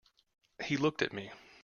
He looked at me.